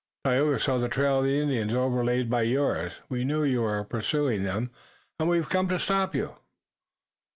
"Tayoga saw the trail of the Indians overlaid by yours. We knew you were pursuing them, and we've come to stop you."